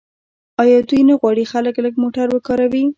آیا دوی نه غواړي خلک لږ موټر وکاروي؟